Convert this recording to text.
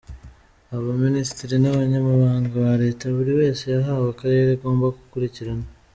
Abaminisitiri n’Abanyamabanga ba Leta buri wese yahawe akarere agomba gukurikirana:.